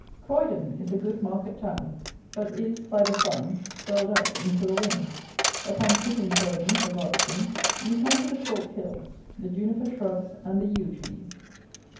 Croydon is a good market town; but is, by the funds, swelled out into a Wen. Upon quitting Croydon for Godstone, you come to the chalk hills, the juniper shrubs and the yew trees.